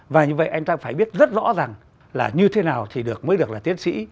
và như vậy anh ta phải biết rất rõ rằng là như thế nào mới được là tiến sĩ